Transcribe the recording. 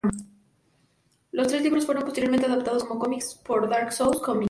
Los tres libros fueron posteriormente adaptados como cómics por Dark Horse Comics.